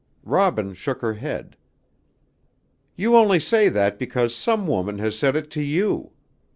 Robin shook her head. "You only say that because some woman has said it to you.